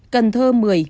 cần thơ một mươi